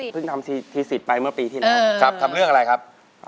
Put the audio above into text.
ทำทีสิทธิ์ไปเมื่อปีที่แล้วครับทำเรื่องอะไรครับ